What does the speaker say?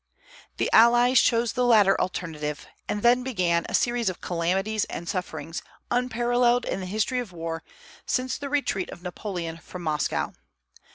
The allies chose the latter alternative; and then began a series of calamities and sufferings unparalleled in the history of war since the retreat of Napoleon from Moscow.